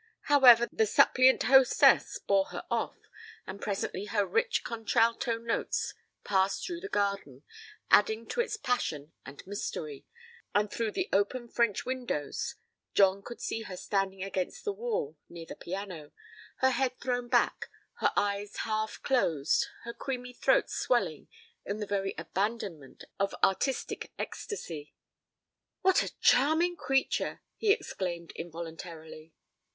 However, the suppliant hostess bore her off, and presently her rich contralto notes passed through the garden, adding to its passion and mystery, and through the open French windows, John could see her standing against the wall near the piano, her head thrown back, her eyes half closed, her creamy throat swelling in the very abandonment of artistic ecstasy. 'What a charming creature!' he exclaimed involuntarily.